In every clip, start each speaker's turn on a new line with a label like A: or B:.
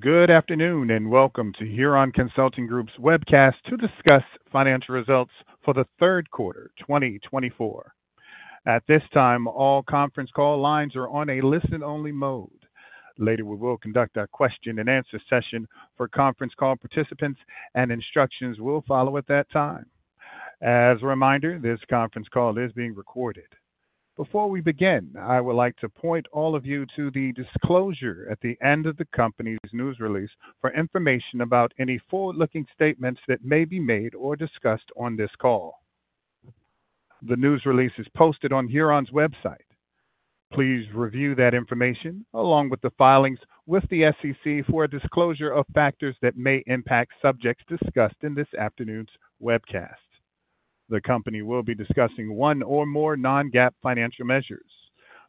A: Good afternoon and welcome to Huron Consulting Group's webcast to discuss financial results for the third quarter, 2024. At this time, all conference call lines are on a listen-only mode. Later, we will conduct a question-and-answer session for conference call participants, and instructions will follow at that time. As a reminder, this conference call is being recorded. Before we begin, I would like to point all of you to the disclosure at the end of the company's news release for information about any forward-looking statements that may be made or discussed on this call. The news release is posted on Huron's website. Please review that information along with the filings with the SEC for a disclosure of factors that may impact subjects discussed in this afternoon's webcast. The company will be discussing one or more non-GAAP financial measures.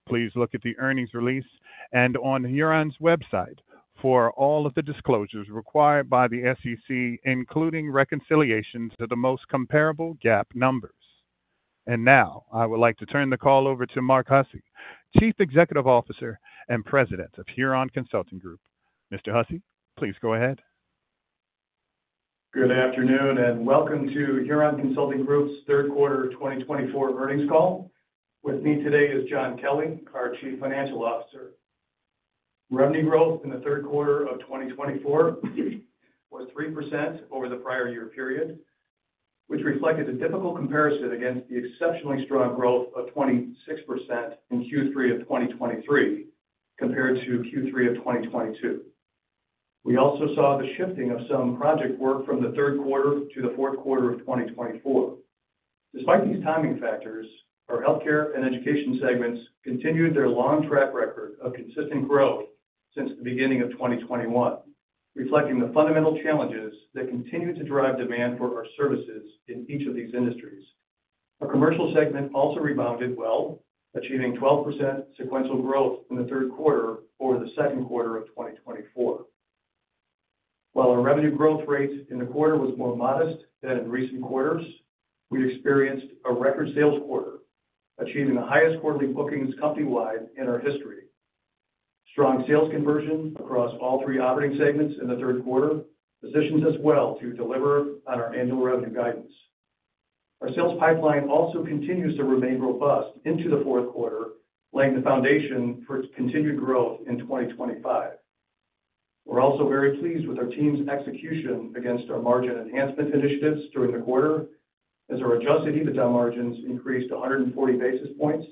A: Please look at the earnings release and on Huron's website for all of the disclosures required by the SEC, including reconciliations to the most comparable GAAP numbers, and now I would like to turn the call over to Mark Hussey, Chief Executive Officer and President of Huron Consulting Group. Mr. Hussey, please go ahead.
B: Good afternoon and welcome to Huron Consulting Group's third quarter 2024 earnings call. With me today is John Kelly, our Chief Financial Officer. Revenue growth in the third quarter of 2024 was 3% over the prior year period, which reflected a difficult comparison against the exceptionally strong growth of 26% in Q3 of 2023 compared to Q3 of 2022. We also saw the shifting of some project work from the third quarter to the fourth quarter of 2024. Despite these timing factors, our healthcare and education segments continued their long track record of consistent growth since the beginning of 2021, reflecting the fundamental challenges that continue to drive demand for our services in each of these industries. Our commercial segment also rebounded well, achieving 12% sequential growth in the third quarter over the second quarter of 2024. While our revenue growth rate in the quarter was more modest than in recent quarters, we experienced a record sales quarter, achieving the highest quarterly bookings company-wide in our history. Strong sales conversion across all three operating segments in the third quarter positions us well to deliver on our annual revenue guidance. Our sales pipeline also continues to remain robust into the fourth quarter, laying the foundation for continued growth in 2025. We're also very pleased with our team's execution against our margin enhancement initiatives during the quarter, as our adjusted EBITDA margins increased 140 basis points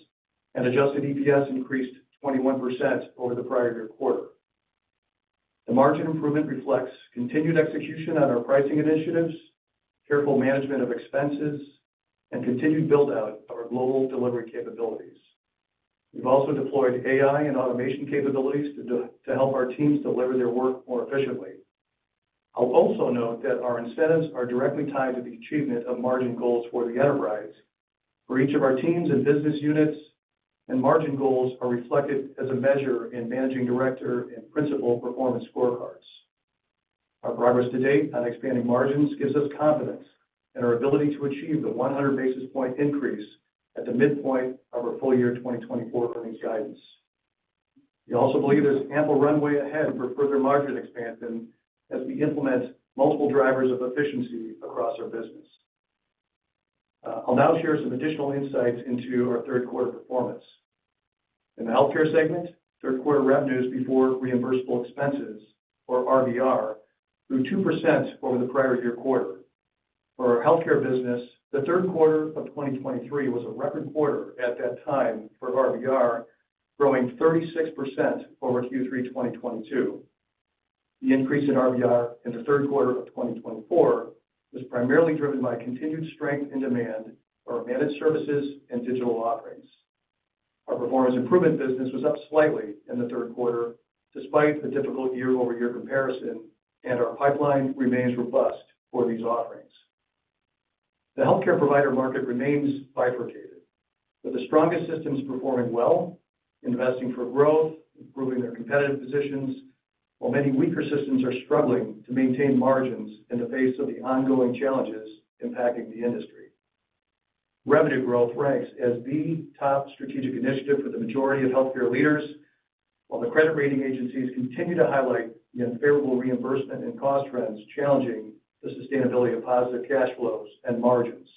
B: and adjusted EPS increased 21% over the prior year quarter. The margin improvement reflects continued execution on our pricing initiatives, careful management of expenses, and continued build-out of our global delivery capabilities. We've also deployed AI and automation capabilities to help our teams deliver their work more efficiently. I'll also note that our incentives are directly tied to the achievement of margin goals for the enterprise. For each of our teams and business units, margin goals are reflected as a measure in managing director and principal performance scorecards. Our progress to date on expanding margins gives us confidence in our ability to achieve the 100 basis point increase at the midpoint of our full year 2024 earnings guidance. We also believe there's ample runway ahead for further margin expansion as we implement multiple drivers of efficiency across our business. I'll now share some additional insights into our third quarter performance. In the healthcare segment, third quarter revenues before reimbursable expenses, or RVR, grew 2% over the prior year quarter. For our healthcare business, the third quarter of 2023 was a record quarter at that time for RVR, growing 36% over Q3 2022. The increase in RVR in the third quarter of 2024 was primarily driven by continued strength in demand for our managed services and digital offerings. Our performance improvement business was up slightly in the third quarter despite the difficult year-over-year comparison, and our pipeline remains robust for these offerings. The healthcare provider market remains bifurcated, with the strongest systems performing well, investing for growth, improving their competitive positions, while many weaker systems are struggling to maintain margins in the face of the ongoing challenges impacting the industry. Revenue growth ranks as the top strategic initiative for the majority of healthcare leaders, while the credit rating agencies continue to highlight the unfavorable reimbursement and cost trends challenging the sustainability of positive cash flows and margins.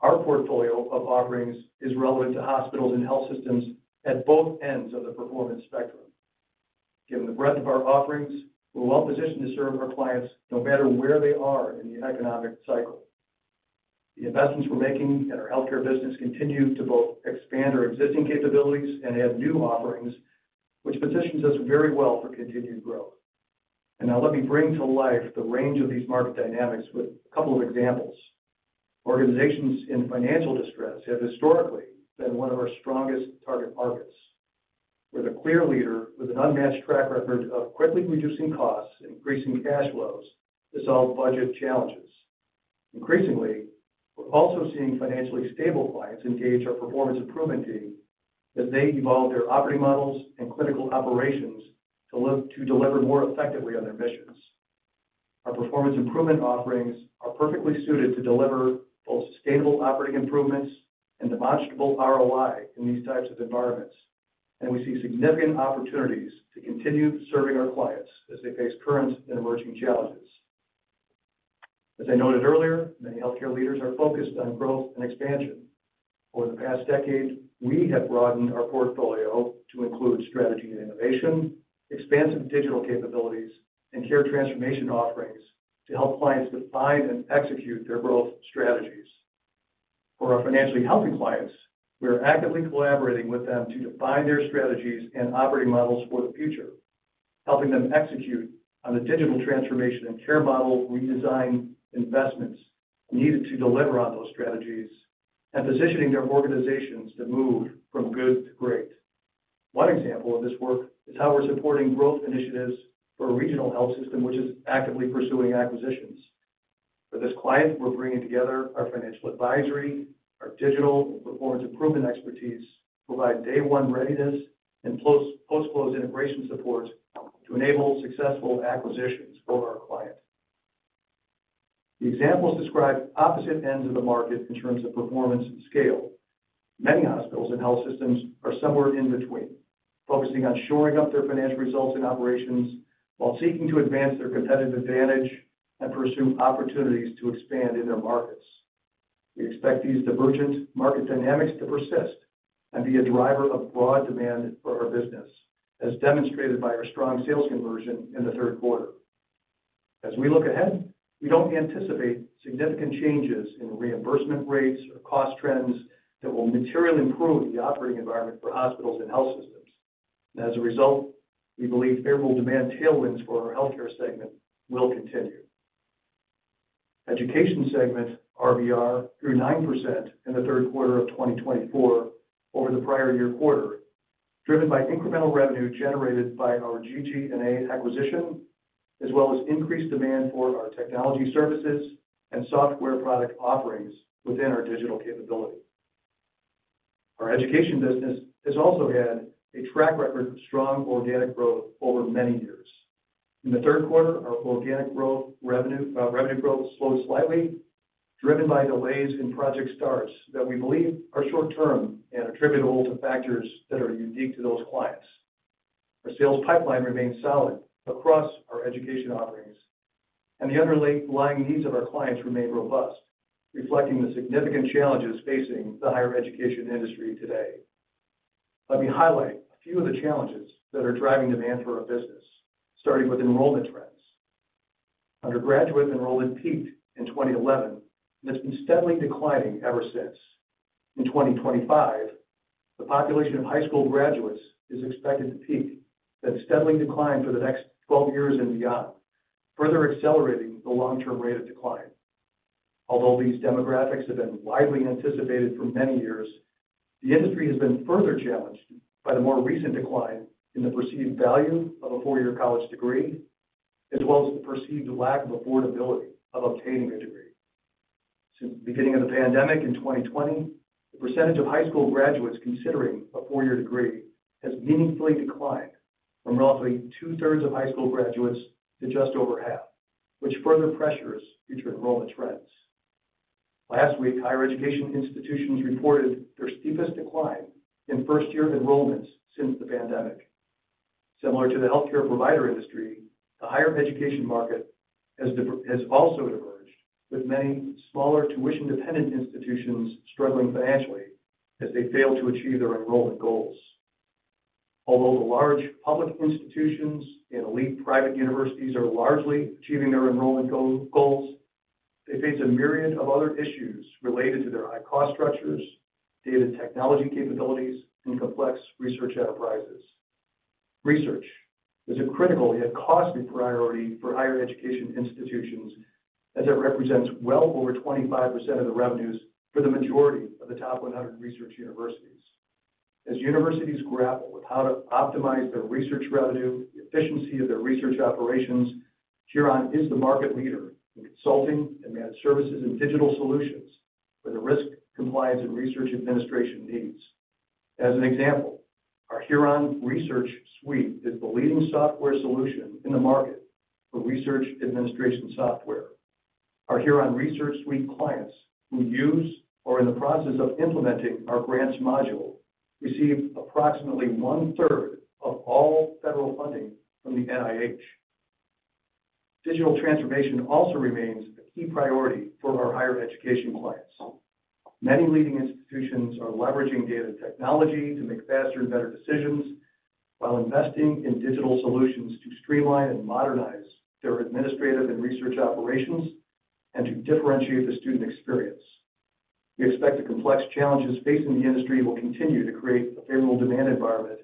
B: Our portfolio of offerings is relevant to hospitals and health systems at both ends of the performance spectrum. Given the breadth of our offerings, we're well positioned to serve our clients no matter where they are in the economic cycle. The investments we're making in our healthcare business continue to both expand our existing capabilities and add new offerings, which positions us very well for continued growth. And now let me bring to life the range of these market dynamics with a couple of examples. Organizations in financial distress have historically been one of our strongest target markets. We're the clear leader with an unmatched track record of quickly reducing costs and increasing cash flows to solve budget challenges. Increasingly, we're also seeing financially stable clients engage our performance improvement team as they evolve their operating models and clinical operations to deliver more effectively on their missions. Our performance improvement offerings are perfectly suited to deliver both sustainable operating improvements and demonstrable ROI in these types of environments, and we see significant opportunities to continue serving our clients as they face current and emerging challenges. As I noted earlier, many healthcare leaders are focused on growth and expansion. Over the past decade, we have broadened our portfolio to include strategy and innovation, expansive digital capabilities, and care transformation offerings to help clients define and execute their growth strategies. For our financially healthy clients, we are actively collaborating with them to define their strategies and operating models for the future, helping them execute on the digital transformation and care model redesign investments needed to deliver on those strategies and positioning their organizations to move from good to great. One example of this work is how we're supporting growth initiatives for a regional health system which is actively pursuing acquisitions. For this client, we're bringing together our financial advisory, our digital performance improvement expertise to provide day-one readiness and post-close integration support to enable successful acquisitions for our client. The examples describe opposite ends of the market in terms of performance and scale. Many hospitals and health systems are somewhere in between, focusing on shoring up their financial results and operations while seeking to advance their competitive advantage and pursue opportunities to expand in their markets. We expect these divergent market dynamics to persist and be a driver of broad demand for our business, as demonstrated by our strong sales conversion in the third quarter. As we look ahead, we don't anticipate significant changes in reimbursement rates or cost trends that will materially improve the operating environment for hospitals and health systems. As a result, we believe favorable demand tailwinds for our healthcare segment will continue. Education segment RVR grew 9% in the third quarter of 2024 over the prior year quarter, driven by incremental revenue generated by our GG+A acquisition, as well as increased demand for our technology services and software product offerings within our digital capability. Our education business has also had a track record of strong organic growth over many years. In the third quarter, our organic growth revenue slowed slightly, driven by delays in project starts that we believe are short-term and attributable to factors that are unique to those clients. Our sales pipeline remains solid across our education offerings, and the underlying needs of our clients remain robust, reflecting the significant challenges facing the higher education industry today. Let me highlight a few of the challenges that are driving demand for our business, starting with enrollment trends. Undergraduate enrollment peaked in 2011 and has been steadily declining ever since. In 2025, the population of high school graduates is expected to peak, then steadily decline for the next 12 years and beyond, further accelerating the long-term rate of decline. Although these demographics have been widely anticipated for many years, the industry has been further challenged by the more recent decline in the perceived value of a four-year college degree, as well as the perceived lack of affordability of obtaining a degree. Since the beginning of the pandemic in 2020, the percentage of high school graduates considering a four-year degree has meaningfully declined from roughly two-thirds of high school graduates to just over half, which further pressures future enrollment trends. Last week, higher education institutions reported their steepest decline in first-year enrollments since the pandemic. Similar to the healthcare provider industry, the higher education market has also diverged, with many smaller tuition-dependent institutions struggling financially as they fail to achieve their enrollment goals. Although the large public institutions and elite private universities are largely achieving their enrollment goals, they face a myriad of other issues related to their high cost structures, data technology capabilities, and complex research enterprises. Research is a critical yet costly priority for higher education institutions as it represents well over 25% of the revenues for the majority of the top 100 research universities. As universities grapple with how to optimize their research revenue, the efficiency of their research operations, Huron is the market leader in consulting and managed services and digital solutions for the risk compliance and research administration needs. As an example, our Huron Research Suite is the leading software solution in the market for research administration software. Our Huron Research Suite clients who use or are in the process of implementing our grants module receive approximately one-third of all federal funding from the NIH. Digital transformation also remains a key priority for our higher education clients. Many leading institutions are leveraging data technology to make faster and better decisions while investing in digital solutions to streamline and modernize their administrative and research operations and to differentiate the student experience. We expect the complex challenges facing the industry will continue to create a favorable demand environment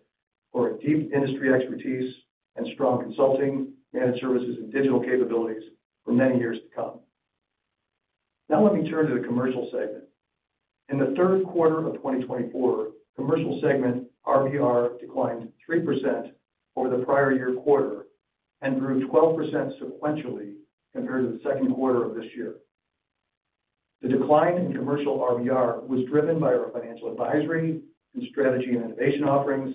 B: for deep industry expertise and strong consulting, managed services, and digital capabilities for many years to come. Now let me turn to the commercial segment. In the third quarter of 2024, commercial segment RVR declined 3% over the prior year quarter and grew 12% sequentially compared to the second quarter of this year. The decline in commercial RVR was driven by our financial advisory and strategy and innovation offerings,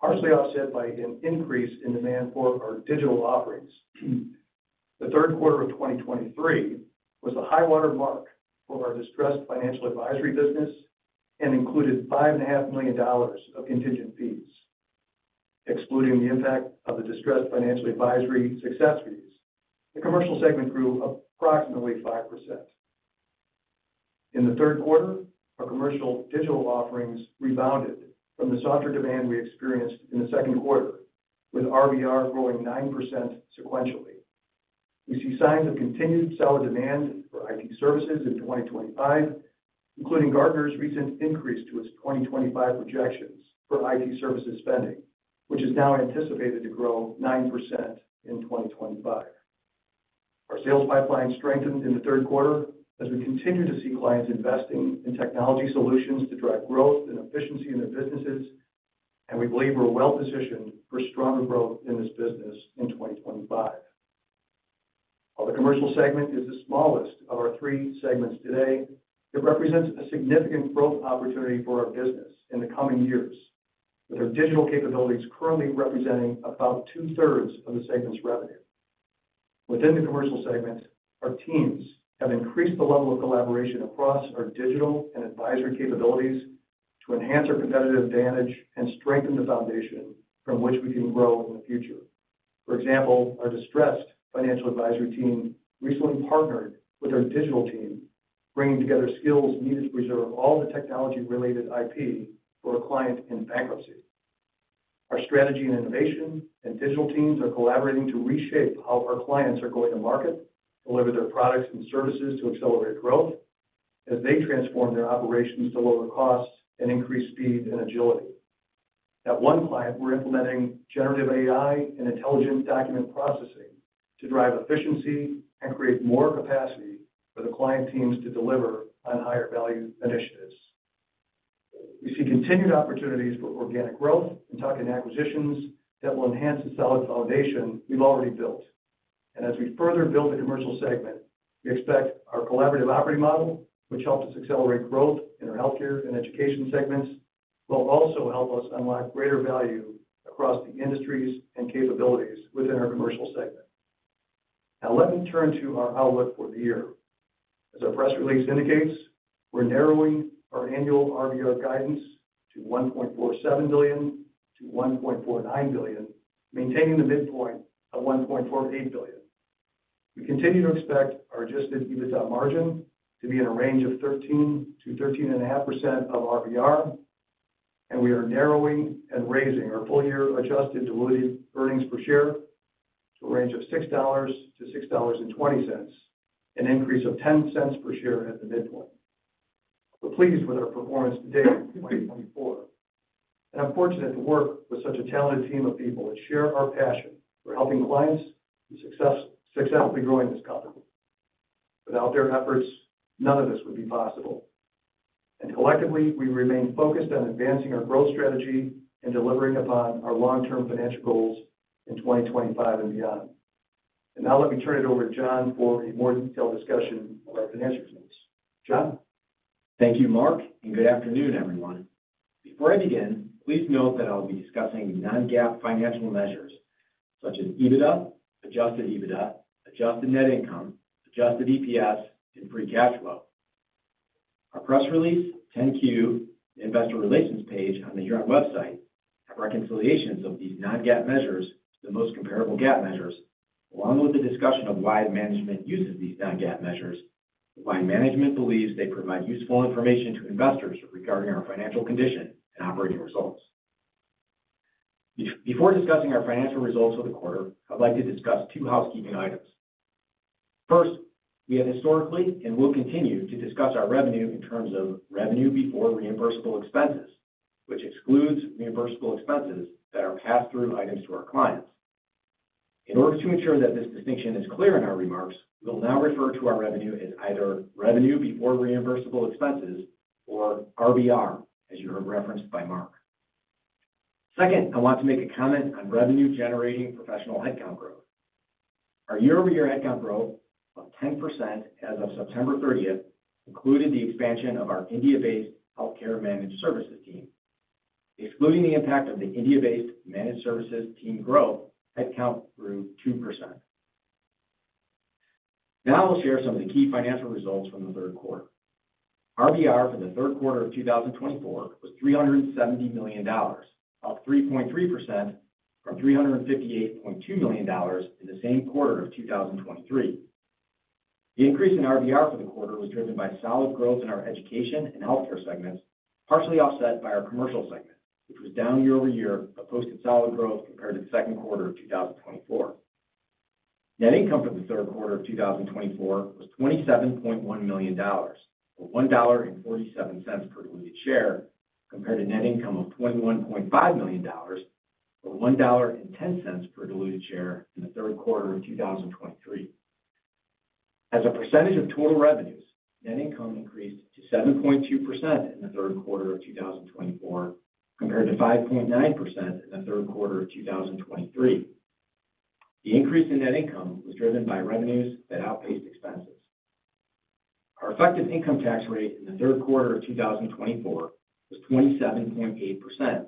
B: partially offset by an increase in demand for our digital offerings. The third quarter of 2023 was the high-water mark for our distressed financial advisory business and included $5.5 million of contingent fees. Excluding the impact of the distressed financial advisory success fees, the commercial segment grew approximately 5%. In the third quarter, our commercial digital offerings rebounded from the softer demand we experienced in the second quarter, with RVR growing 9% sequentially. We see signs of continued solid demand for IT services in 2025, including Gartner's recent increase to its 2025 projections for IT services spending, which is now anticipated to grow 9% in 2025. Our sales pipeline strengthened in the third quarter as we continue to see clients investing in technology solutions to drive growth and efficiency in their businesses, and we believe we're well positioned for stronger growth in this business in 2025. While the commercial segment is the smallest of our three segments today, it represents a significant growth opportunity for our business in the coming years, with our digital capabilities currently representing about two-thirds of the segment's revenue. Within the commercial segment, our teams have increased the level of collaboration across our digital and advisory capabilities to enhance our competitive advantage and strengthen the foundation from which we can grow in the future. For example, our distressed financial advisory team recently partnered with our digital team, bringing together skills needed to preserve all the technology-related IP for a client in bankruptcy. Our strategy and innovation and digital teams are collaborating to reshape how our clients are going to market, deliver their products and services to accelerate growth as they transform their operations to lower costs and increase speed and agility. At one client, we're implementing generative AI and intelligent document processing to drive efficiency and create more capacity for the client teams to deliver on higher-value initiatives. We see continued opportunities for organic growth and tuck-in acquisitions that will enhance the solid foundation we've already built. As we further build the commercial segment, we expect our collaborative operating model, which helps us accelerate growth in our healthcare and education segments, will also help us unlock greater value across the industries and capabilities within our commercial segment. Now let me turn to our outlook for the year. As our press release indicates, we're narrowing our annual RVR guidance to $1.47 billion-$1.49 billion, maintaining the midpoint of $1.48 billion. We continue to expect our adjusted EBITDA margin to be in a range of 13%-13.5% of RVR, and we are narrowing and raising our full-year adjusted diluted earnings per share to a range of $6-$6.20, an increase of $0.10 per share at the midpoint. We're pleased with our performance today in 2024, and I'm fortunate to work with such a talented team of people that share our passion for helping clients successfully grow in this company. Without their efforts, none of this would be possible, and collectively, we remain focused on advancing our growth strategy and delivering upon our long-term financial goals in 2025 and beyond, and now let me turn it over to John for a more detailed discussion of our financial results. John?
C: Thank you, Mark, and good afternoon, everyone. Before I begin, please note that I'll be discussing non-GAAP financial measures such as EBITDA, adjusted EBITDA, adjusted net income, adjusted EPS, and free cash flow. Our press release, 10-Q, the investor relations page on the Huron website, have reconciliations of these non-GAAP measures to the most comparable GAAP measures, along with a discussion of why management uses these non-GAAP measures, why management believes they provide useful information to investors regarding our financial condition and operating results. Before discussing our financial results for the quarter, I'd like to discuss two housekeeping items. First, we have historically and will continue to discuss our revenue in terms of revenue before reimbursable expenses, which excludes reimbursable expenses that are pass-through items to our clients. In order to ensure that this distinction is clear in our remarks, we'll now refer to our revenue as either revenue before reimbursable expenses or RVR, as you heard referenced by Mark. Second, I want to make a comment on revenue-generating professional headcount growth. Our year-over-year headcount growth of 10% as of September 30th included the expansion of our India-based healthcare managed services team. Excluding the impact of the India-based managed services team growth, headcount grew 2%. Now I'll share some of the key financial results from the third quarter. RVR for the third quarter of 2024 was $370 million, up 3.3% from $358.2 million in the same quarter of 2023. The increase in RVR for the quarter was driven by solid growth in our education and healthcare segments, partially offset by our commercial segment, which was down year-over-year but posted solid growth compared to the second quarter of 2024. Net income for the third quarter of 2024 was $27.1 million, or $1.47 per diluted share, compared to net income of $21.5 million, or $1.10 per diluted share in the third quarter of 2023. As a percentage of total revenues, net income increased to 7.2% in the third quarter of 2024 compared to 5.9% in the third quarter of 2023. The increase in net income was driven by revenues that outpaced expenses. Our effective income tax rate in the third quarter of 2024 was 27.8%,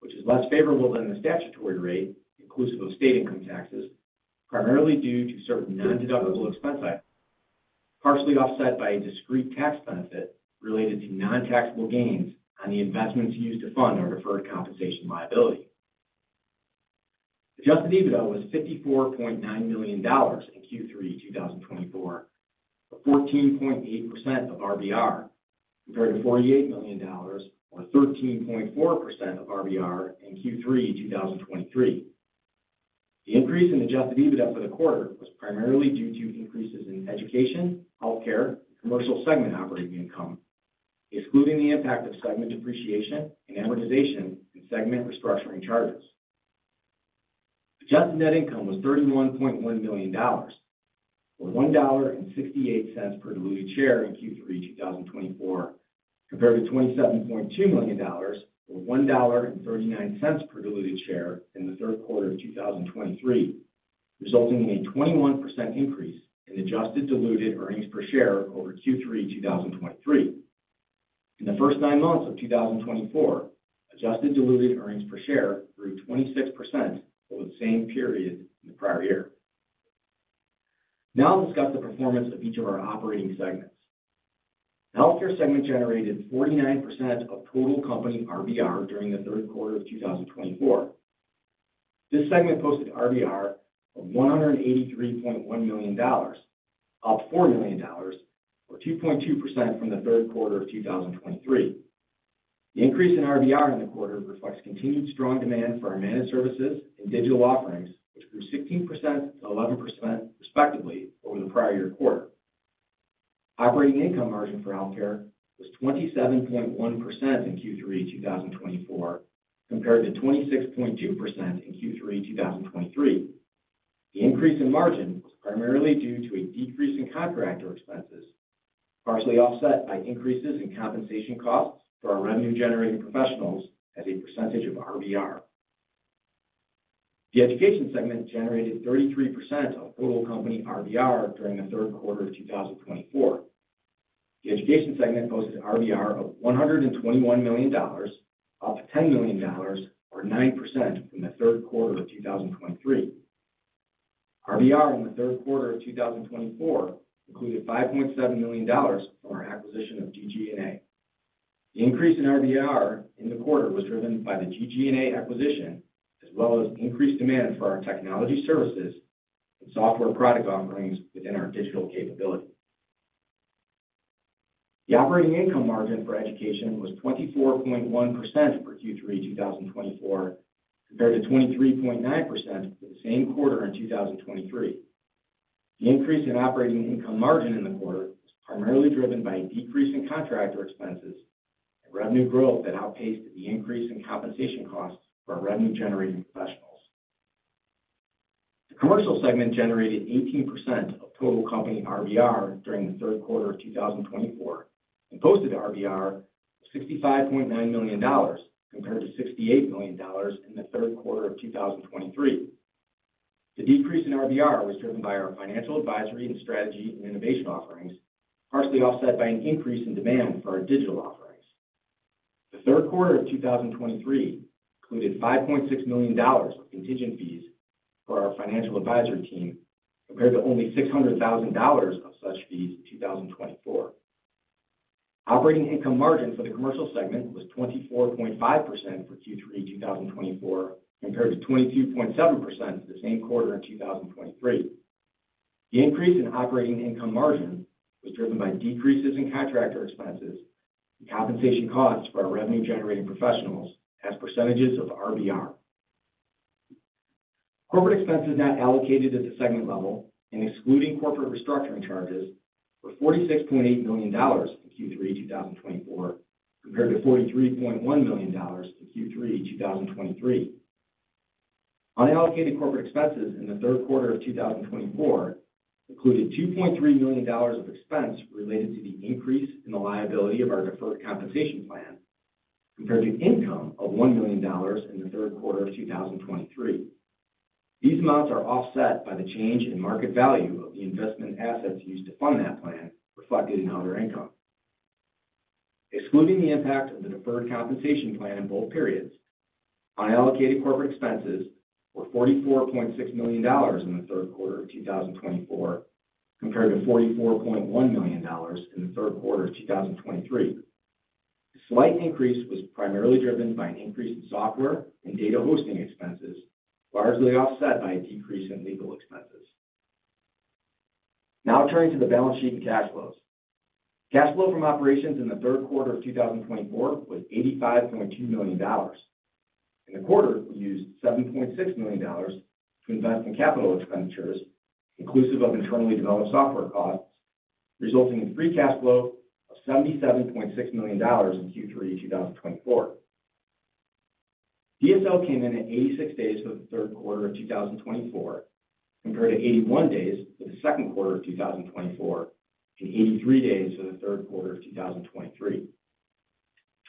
C: which is less favorable than the statutory rate, inclusive of state income taxes, primarily due to certain non-deductible expense items, partially offset by a discrete tax benefit related to non-taxable gains on the investments used to fund our deferred compensation liability. Adjusted EBITDA was $54.9 million in Q3 2024, or 14.8% of RVR, compared to $48 million, or 13.4% of RVR in Q3 2023. The increase in adjusted EBITDA for the quarter was primarily due to increases in education, healthcare, and commercial segment operating income, excluding the impact of segment depreciation and amortization and segment restructuring charges. Adjusted net income was $31.1 million, or $1.68 per diluted share in Q3 2024, compared to $27.2 million, or $1.39 per diluted share in the third quarter of 2023, resulting in a 21% increase in adjusted diluted earnings per share over Q3 2023. In the first nine months of 2024, adjusted diluted earnings per share grew 26% over the same period in the prior year. Now I'll discuss the performance of each of our operating segments. The healthcare segment generated 49% of total company RVR during the third quarter of 2024. This segment posted RVR of $183.1 million, up $4 million, or 2.2% from the third quarter of 2023. The increase in RVR in the quarter reflects continued strong demand for our managed services and digital offerings, which grew 16% to 11% respectively over the prior year quarter. Operating income margin for healthcare was 27.1% in Q3 2024, compared to 26.2% in Q3 2023. The increase in margin was primarily due to a decrease in contractor expenses, partially offset by increases in compensation costs for our revenue-generating professionals as a percentage of RVR. The education segment generated 33% of total company RVR during the third quarter of 2024. The education segment posted RVR of $121 million, up $10 million, or 9% from the third quarter of 2023. RVR in the third quarter of 2024 included $5.7 million from our acquisition of GG+A. The increase in RVR in the quarter was driven by the GG+A acquisition, as well as increased demand for our technology services and software product offerings within our digital capability. The operating income margin for education was 24.1% for Q3 2024, compared to 23.9% for the same quarter in 2023. The increase in operating income margin in the quarter was primarily driven by a decrease in contractor expenses and revenue growth that outpaced the increase in compensation costs for our revenue-generating professionals. The commercial segment generated 18% of total company RVR during the third quarter of 2024 and posted RVR of $65.9 million, compared to $68 million in the third quarter of 2023. The decrease in RVR was driven by our financial advisory and strategy and innovation offerings, partially offset by an increase in demand for our digital offerings. The third quarter of 2023 included $5.6 million of contingent fees for our financial advisory team, compared to only $600,000 of such fees in 2024. Operating income margin for the commercial segment was 24.5% for Q3 2024, compared to 22.7% for the same quarter in 2023. The increase in operating income margin was driven by decreases in contractor expenses and compensation costs for our revenue-generating professionals as percentages of RVR. Corporate expenses not allocated at the segment level, and excluding corporate restructuring charges, were $46.8 million in Q3 2024, compared to $43.1 million in Q3 2023. Unallocated corporate expenses in the third quarter of 2024 included $2.3 million of expense related to the increase in the liability of our deferred compensation plan, compared to income of $1 million in the third quarter of 2023. These amounts are offset by the change in market value of the investment assets used to fund that plan, reflected in other income. Excluding the impact of the deferred compensation plan in both periods, unallocated corporate expenses were $44.6 million in the third quarter of 2024, compared to $44.1 million in the third quarter of 2023. This slight increase was primarily driven by an increase in software and data hosting expenses, largely offset by a decrease in legal expenses. Now turning to the balance sheet and cash flows. Cash flow from operations in the third quarter of 2024 was $85.2 million. In the quarter, we used $7.6 million to invest in capital expenditures, inclusive of internally developed software costs, resulting in free cash flow of $77.6 million in Q3 2024. DSO came in at 86 days for the third quarter of 2024, compared to 81 days for the second quarter of 2024 and 83 days for the third quarter of 2023.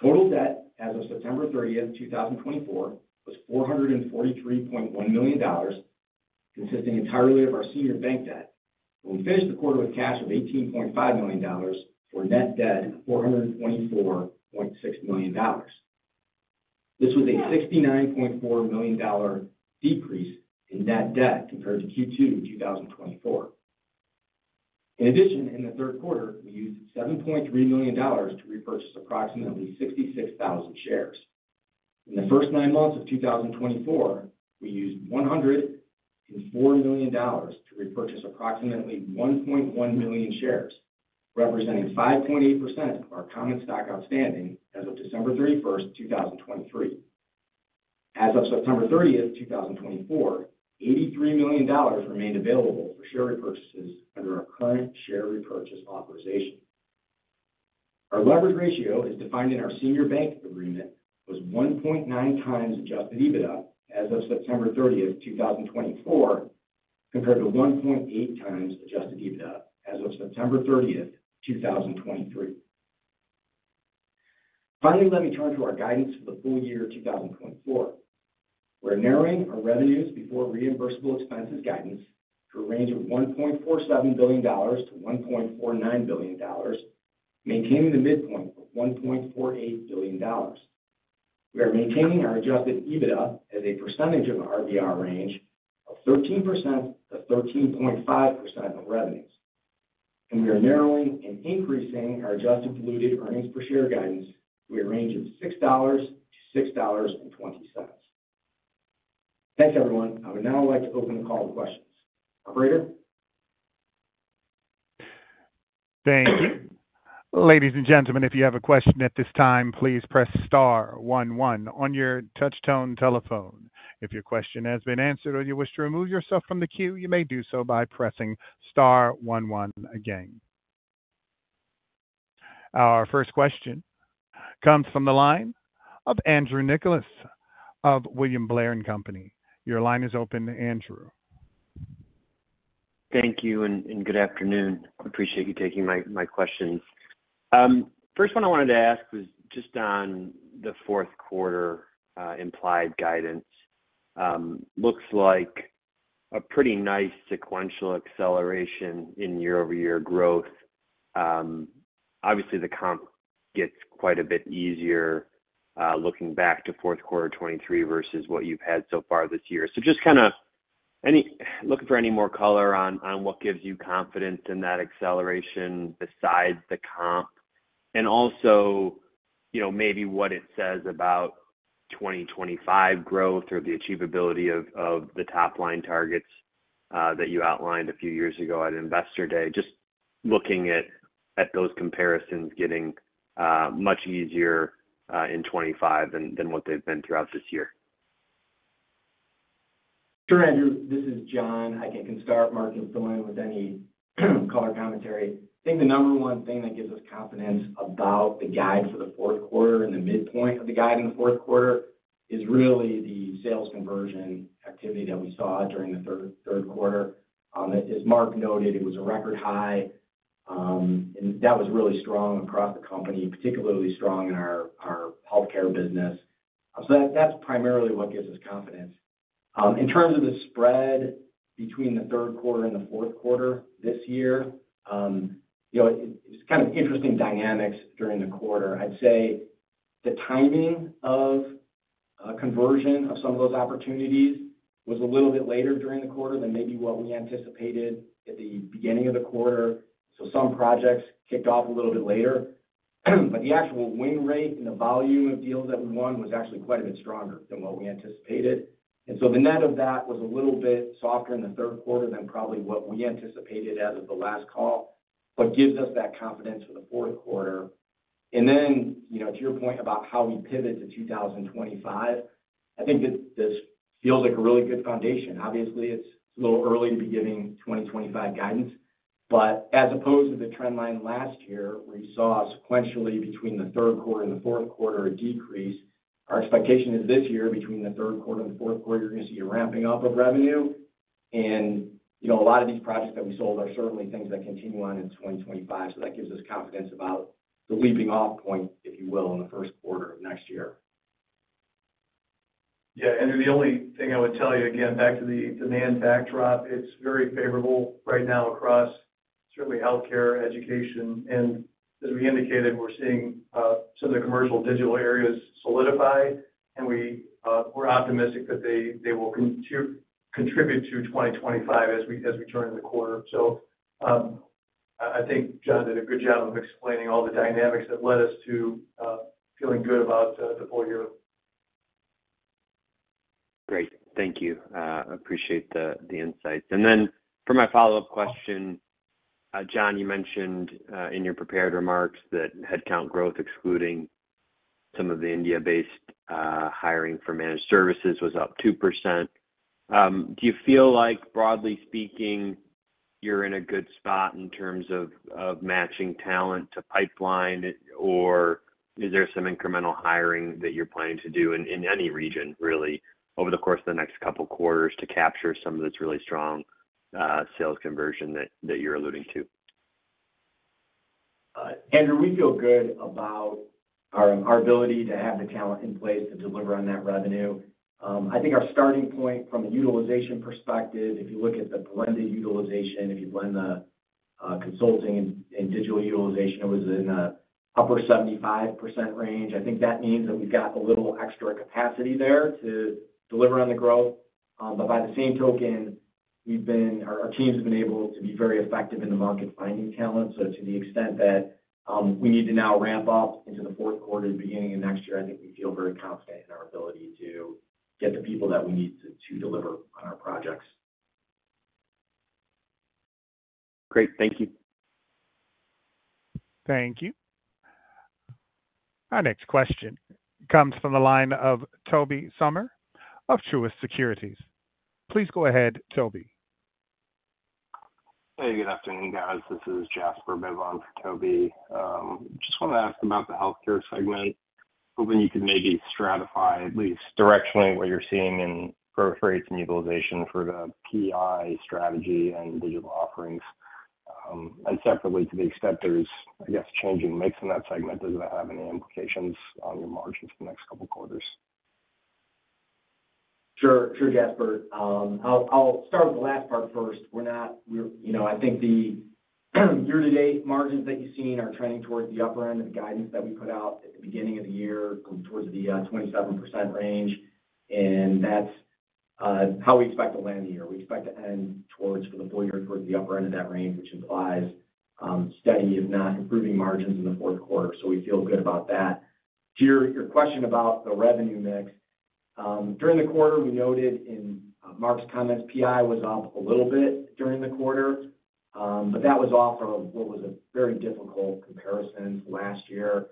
C: Total debt as of September 30th, 2024, was $443.1 million, consisting entirely of our senior bank debt, but we finished the quarter with cash of $18.5 million for net debt of $424.6 million. This was a $69.4 million decrease in net debt compared to Q2 2024. In addition, in the third quarter, we used $7.3 million to repurchase approximately 66,000 shares. In the first nine months of 2024, we used $104 million to repurchase approximately 1.1 million shares, representing 5.8% of our common stock outstanding as of December 31st, 2023. As of September 30th, 2024, $83 million remained available for share repurchases under our current share repurchase authorization. Our leverage ratio, as defined in our senior bank agreement, was 1.9x adjusted EBITDA as of September 30th, 2024, compared to 1.8x adjusted EBITDA as of September 30th, 2023. Finally, let me turn to our guidance for the full year 2024. We're narrowing our revenues before reimbursable expenses guidance to a range of $1.47 billion-$1.49 billion, maintaining the midpoint of $1.48 billion. We are maintaining our adjusted EBITDA as a percentage of our RVR range of 13%-13.5% of revenues. And we are narrowing and increasing our adjusted diluted earnings per share guidance to a range of $6.00-$6.20. Thanks, everyone. I would now like to open the call to questions. Operator?
A: Thank you. Ladies and gentlemen, if you have a question at this time, please press star one one on your touch-tone telephone. If your question has been answered or you wish to remove yourself from the queue, you may do so by pressing star one one again. Our first question comes from the line of Andrew Nicholas of William Blair & Company. Your line is open, Andrew.
D: Thank you and good afternoon. Appreciate you taking my questions. First one I wanted to ask was just on the fourth quarter implied guidance. Looks like a pretty nice sequential acceleration in year-over-year growth. Obviously, the comp gets quite a bit easier looking back to fourth quarter 2023 versus what you've had so far this year. So just kind of looking for any more color on what gives you confidence in that acceleration besides the comp, and also maybe what it says about 2025 growth or the achievability of the top-line targets that you outlined a few years ago at Investor Day, just looking at those comparisons getting much easier in 2025 than what they've been throughout this year.
C: Sure, Andrew. This is John. I can start, Mark can fill in with any color commentary. I think the number one thing that gives us confidence about the guide for the fourth quarter and the midpoint of the guide in the fourth quarter is really the sales conversion activity that we saw during the third quarter. As Mark noted, it was a record high, and that was really strong across the company, particularly strong in our healthcare business. So that's primarily what gives us confidence. In terms of the spread between the third quarter and the fourth quarter this year, it was kind of interesting dynamics during the quarter. I'd say the timing of conversion of some of those opportunities was a little bit later during the quarter than maybe what we anticipated at the beginning of the quarter. So some projects kicked off a little bit later. But the actual win rate and the volume of deals that we won was actually quite a bit stronger than what we anticipated. And so the net of that was a little bit softer in the third quarter than probably what we anticipated as of the last call, but gives us that confidence for the fourth quarter. And then to your point about how we pivot to 2025, I think this feels like a really good foundation. Obviously, it's a little early to be giving 2025 guidance. But as opposed to the trend line last year, where you saw sequentially between the third quarter and the fourth quarter a decrease, our expectation is this year between the third quarter and the fourth quarter, you're going to see a ramping up of revenue. And a lot of these projects that we sold are certainly things that continue on in 2025. So that gives us confidence about the leaping-off point, if you will, in the first quarter of next year.
B: Yeah, Andrew, the only thing I would tell you, again, back to the demand backdrop, it's very favorable right now across certainly healthcare, education. And as we indicated, we're seeing some of the commercial digital areas solidify, and we're optimistic that they will contribute to 2025 as we turn in the quarter. So I think John did a good job of explaining all the dynamics that led us to feeling good about the full year.
D: Great. Thank you. I appreciate the insights. And then for my follow-up question, John, you mentioned in your prepared remarks that headcount growth, excluding some of the India-based hiring for managed services, was up 2%. Do you feel like, broadly speaking, you're in a good spot in terms of matching talent to pipeline, or is there some incremental hiring that you're planning to do in any region, really, over the course of the next couple of quarters to capture some of this really strong sales conversion that you're alluding to?
C: Andrew, we feel good about our ability to have the talent in place to deliver on that revenue. I think our starting point from a utilization perspective, if you look at the blended utilization, if you blend the consulting and digital utilization, it was in the upper 75% range. I think that means that we've got a little extra capacity there to deliver on the growth. But by the same token, our teams have been able to be very effective in the market finding talent. So to the extent that we need to now ramp up into the fourth quarter at the beginning of next year, I think we feel very confident in our ability to get the people that we need to deliver on our projects.
D: Great. Thank you.
A: Thank you. Our next question comes from the line of Tobey Sommer of Truist Securities. Please go ahead, Tobey.
E: Hey, good afternoon, guys. This is Jasper Bibb on for Tobey. Just wanted to ask about the healthcare segment. Hoping you could maybe stratify at least directionally what you're seeing in growth rates and utilization for the PI strategy and digital offerings. And separately, to the extent there's, I guess, changing mix in that segment, does that have any implications on your margins for the next couple of quarters?
C: Sure, sure, Jasper. I'll start with the last part first. I think the year-to-date margins that you've seen are trending towards the upper end of the guidance that we put out at the beginning of the year, towards the 27% range, and that's how we expect to land the year. We expect to end for the full year towards the upper end of that range, which implies steady, if not improving, margins in the fourth quarter, so we feel good about that. To your question about the revenue mix, during the quarter, we noted in Mark's comments, PI was up a little bit during the quarter, but that was off of what was a very difficult comparison for last year.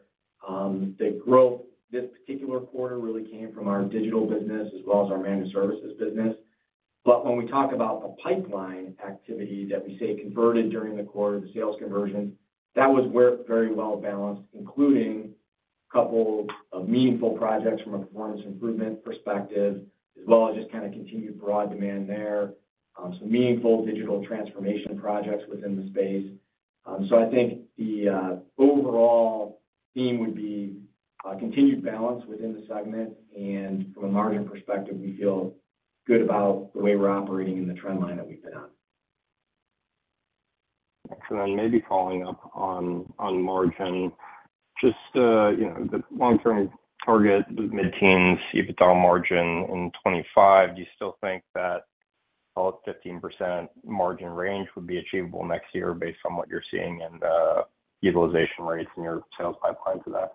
C: The growth this particular quarter really came from our digital business as well as our managed services business. But when we talk about the pipeline activity that we say converted during the quarter, the sales conversions, that was very well balanced, including a couple of meaningful projects from a performance improvement perspective, as well as just kind of continued broad demand there. Some meaningful digital transformation projects within the space. So I think the overall theme would be continued balance within the segment. And from a margin perspective, we feel good about the way we're operating in the trend line that we've been on.
E: Excellent. Maybe following up on margin, just the long-term target, the mid-teens, even though margin in 2025, do you still think that 15% margin range would be achievable next year based on what you're seeing in the utilization rates in your sales pipeline today?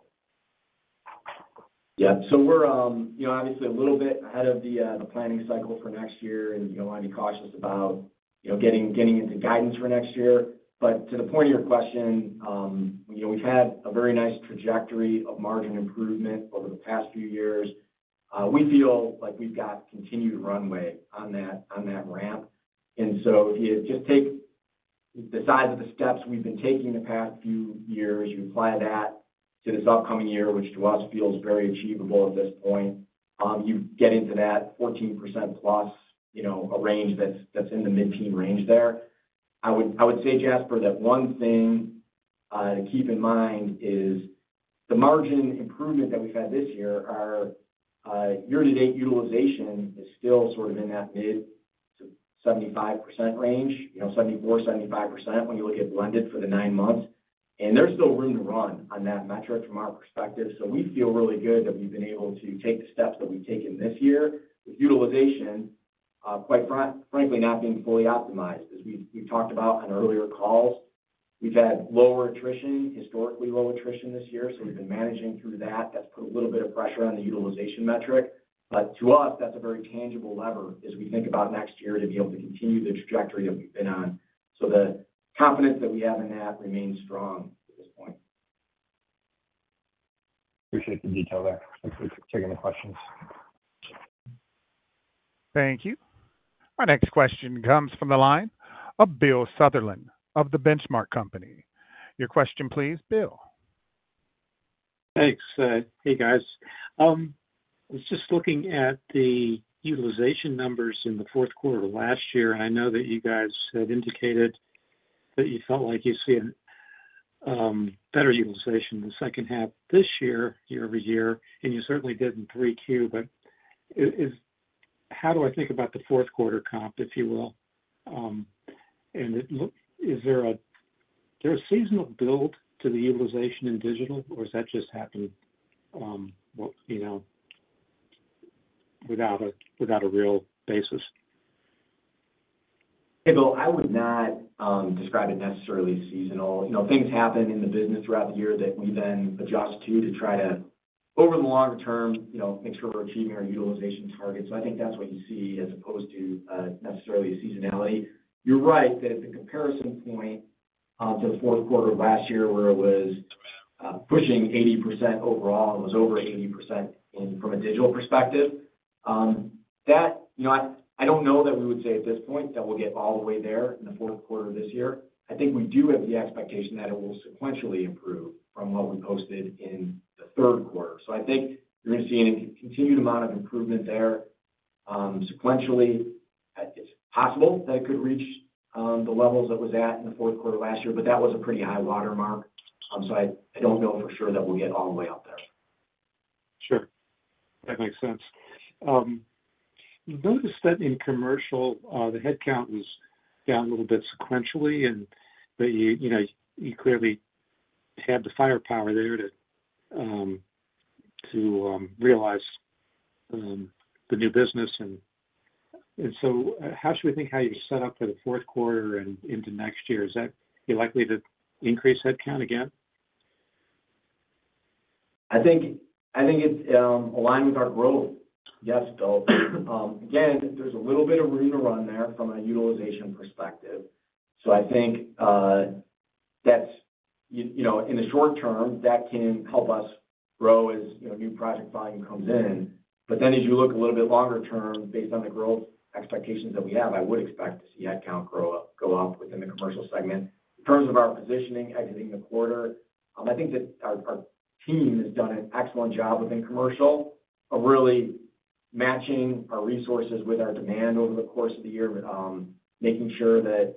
C: Yeah. We're obviously a little bit ahead of the planning cycle for next year, and you don't want to be cautious about getting into guidance for next year. But to the point of your question, we've had a very nice trajectory of margin improvement over the past few years. We feel like we've got continued runway on that ramp. And so if you just take the size of the steps we've been taking the past few years, you apply that to this upcoming year, which to us feels very achievable at this point, you get into that +14% range that's in the mid-teens range there. I would say, Jasper, that one thing to keep in mind is the margin improvement that we've had this year. Our year-to-date utilization is still sort of in that mid-75% range, 74%-75% when you look at blended for the nine months. And there's still room to run on that metric from our perspective. So we feel really good that we've been able to take the steps that we've taken this year with utilization, quite frankly, not being fully optimized. As we've talked about on earlier calls, we've had lower attrition, historically low attrition this year. So we've been managing through that. That's put a little bit of pressure on the utilization metric. But to us, that's a very tangible lever as we think about next year to be able to continue the trajectory that we've been on. So the confidence that we have in that remains strong at this point.
E: Appreciate the detail there. Thanks for taking the questions.
A: Thank you. Our next question comes from the line of Bill Sutherland of The Benchmark Company. Your question, please, Bill.
F: Thanks. Hey, guys. I was just looking at the utilization numbers in the fourth quarter last year, and I know that you guys had indicated that you felt like you see better utilization in the second half this year, year-over-year, and you certainly did in 3Q, but how do I think about the fourth quarter comp, if you will? And is there a seasonal build to the utilization in digital, or has that just happened without a real basis?
C: Hey, Bill, I would not describe it necessarily seasonal. Things happen in the business throughout the year that we then adjust to try to, over the longer term, make sure we're achieving our utilization targets, so I think that's what you see as opposed to necessarily seasonality. You're right that the comparison point to the fourth quarter of last year, where it was pushing 80% overall, it was over 80% from a digital perspective. I don't know that we would say at this point that we'll get all the way there in the fourth quarter of this year. I think we do have the expectation that it will sequentially improve from what we posted in the third quarter. So I think you're going to see a continued amount of improvement there. Sequentially, it's possible that it could reach the levels it was at in the fourth quarter last year, but that was a pretty high watermark. So I don't know for sure that we'll get all the way up there.
F: Sure. That makes sense. You noticed that in commercial, the headcount was down a little bit sequentially, and you clearly had the firepower there to realize the new business. And so how should we think how you're set up for the fourth quarter and into next year? Is that likely to increase headcount again?
C: I think it's aligned with our growth, yes, Bill. Again, there's a little bit of room to run there from a utilization perspective. So I think that in the short term, that can help us grow as new project volume comes in. But then as you look a little bit longer term, based on the growth expectations that we have, I would expect to see headcount go up within the commercial segment. In terms of our positioning, exiting the quarter, I think that our team has done an excellent job within commercial of really matching our resources with our demand over the course of the year, making sure that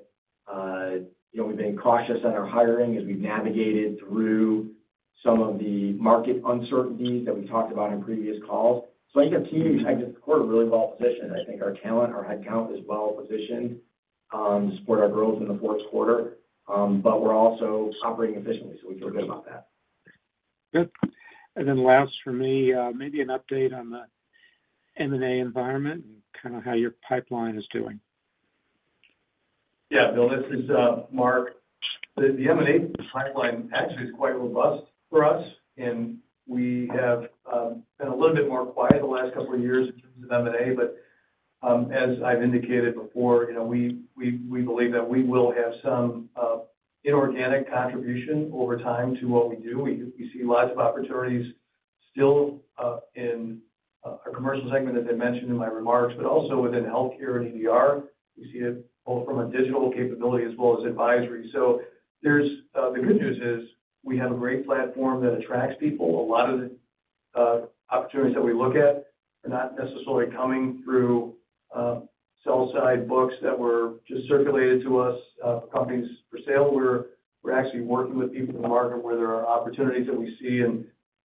C: we've been cautious on our hiring as we've navigated through some of the market uncertainties that we talked about in previous calls. So I think our team is exiting the quarter really well positioned. I think our talent, our headcount is well positioned to support our growth in the fourth quarter. But we're also operating efficiently, so we feel good about that.
F: Good. And then last for me, maybe an update on the M&A environment and kind of how your pipeline is doing.
B: Yeah, Bill, this is Mark. The M&A pipeline actually is quite robust for us. We have been a little bit more quiet the last couple of years in terms of M&A. As I've indicated before, we believe that we will have some inorganic contribution over time to what we do. We see lots of opportunities still in our commercial segment, as I mentioned in my remarks, but also within healthcare and EDR. We see it both from a digital capability as well as advisory. The good news is we have a great platform that attracts people. A lot of the opportunities that we look at are not necessarily coming through sell-side books that were just circulated to us for companies for sale. We're actually working with people in the market where there are opportunities that we see.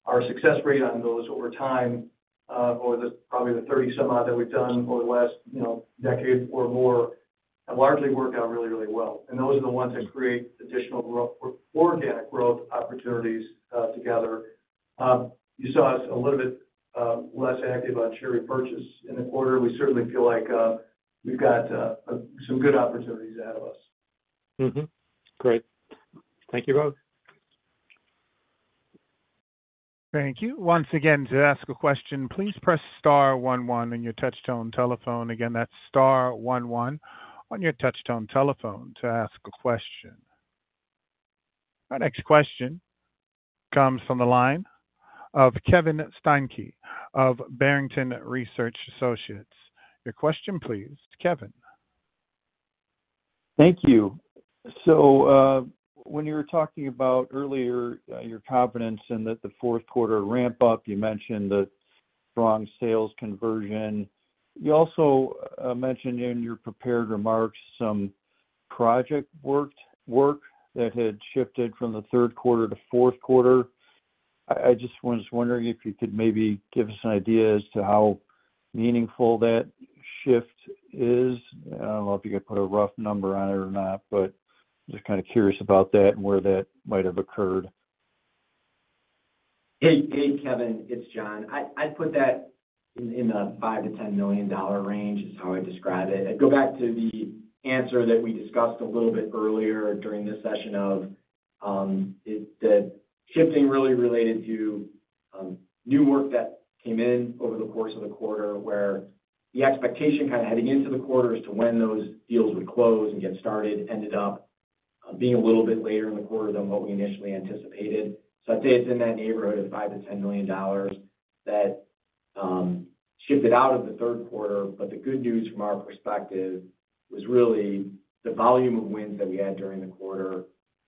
B: Our success rate on those over time, or probably the 30-some odd that we've done over the last decade or more, have largely worked out really, really well. And those are the ones that create additional organic growth opportunities together. You saw us a little bit less active on share repurchase in the quarter. We certainly feel like we've got some good opportunities ahead of us.
F: Great. Thank you both.
A: Thank you. Once again, to ask a question, please press star one one on your touch-tone telephone. Again, that's star one one on your touch-tone telephone to ask a question. Our next question comes from the line of Kevin Steinke of Barrington Research Associates. Your question, please, Kevin.
G: Thank you. So when you were talking about earlier your confidence and that the fourth quarter ramp-up, you mentioned the strong sales conversion. You also mentioned in your prepared remarks some project work that had shifted from the third quarter to fourth quarter. I just was wondering if you could maybe give us an idea as to how meaningful that shift is. I don't know if you could put a rough number on it or not, but just kind of curious about that and where that might have occurred.
C: Hey, Kevin, it's John. I'd put that in the $5 million-$10 million range is how I'd describe it. I'd go back to the answer that we discussed a little bit earlier during this session of the shifting really related to new work that came in over the course of the quarter, where the expectation kind of heading into the quarter as to when those deals would close and get started ended up being a little bit later in the quarter than what we initially anticipated. So I'd say it's in that neighborhood of $5 million-$10 million that shifted out of the third quarter. But the good news from our perspective was really the volume of wins that we had during the quarter.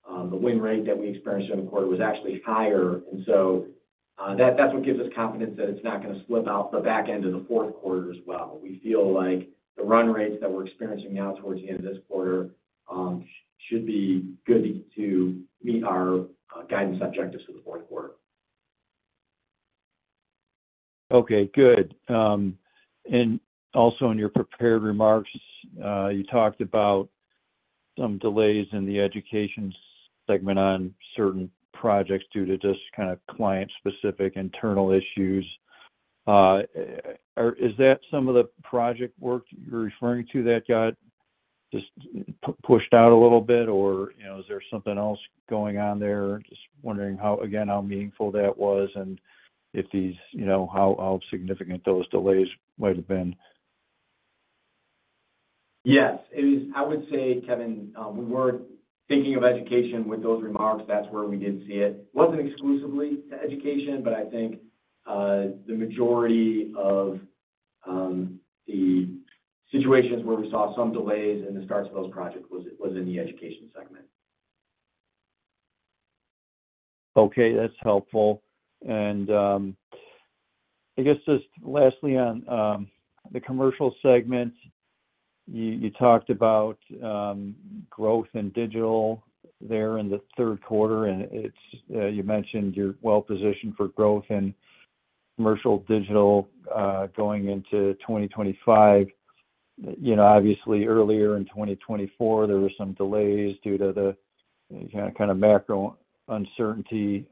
C: The win rate that we experienced during the quarter was actually higher. And so that's what gives us confidence that it's not going to slip out the back end of the fourth quarter as well. We feel like the run rates that we're experiencing now towards the end of this quarter should be good to meet our guidance objectives for the fourth quarter.
G: Okay. Good. And also in your prepared remarks, you talked about some delays in the education segment on certain projects due to just kind of client-specific internal issues. Is that some of the project work you're referring to that got just pushed out a little bit, or is there something else going on there? Just wondering again how meaningful that was and if these how significant those delays might have been.
C: Yes. I would say, Kevin, we were thinking of education with those remarks. That's where we did see it. It wasn't exclusively education, but I think the majority of the situations where we saw some delays in the starts of those projects was in the education segment.
G: Okay. That's helpful. And I guess just lastly on the commercial segment, you talked about growth in digital there in the third quarter. And you mentioned you're well positioned for growth in commercial digital going into 2025. Obviously, earlier in 2024, there were some delays due to the kind of macro uncertainty.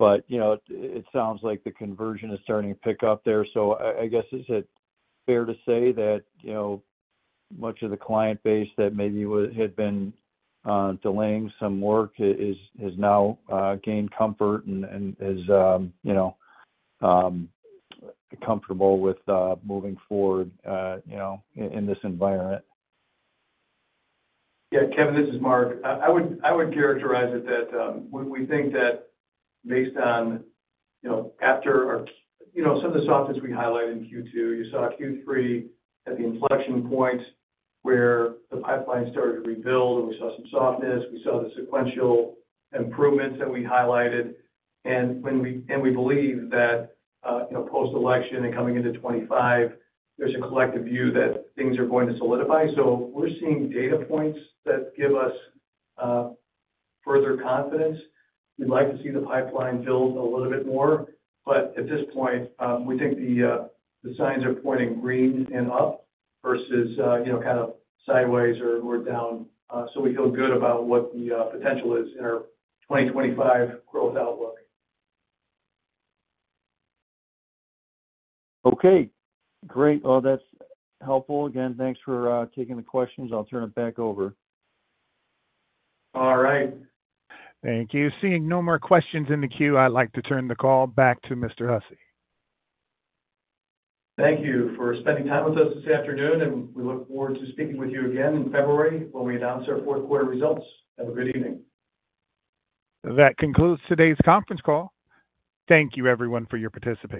G: But it sounds like the conversion is starting to pick up there. So I guess is it fair to say that much of the client base that maybe had been delaying some work has now gained comfort and is comfortable with moving forward in this environment?
B: Yeah. Kevin, this is Mark. I would characterize it that we think that based on after some of the softness we highlighted in Q2, you saw Q3 at the inflection point where the pipeline started to rebuild, and we saw some softness. We saw the sequential improvements that we highlighted. And we believe that post-election and coming into 2025, there's a collective view that things are going to solidify. So we're seeing data points that give us further confidence. We'd like to see the pipeline build a little bit more. But at this point, we think the signs are pointing green and up versus kind of sideways or down. So we feel good about what the potential is in our 2025 growth outlook.
G: Okay. Great. Well, that's helpful. Again, thanks for taking the questions. I'll turn it back over.
B: All right.
A: Thank you. Seeing no more questions in the queue, I'd like to turn the call back to Mr. Hussey.
B: Thank you for spending time with us this afternoon. And we look forward to speaking with you again in February when we announce our fourth quarter results. Have a good evening.
A: That concludes today's conference call. Thank you, everyone, for your participation.